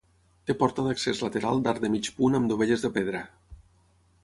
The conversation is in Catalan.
Té porta d'accés lateral d'arc de mig punt amb dovelles de pedra.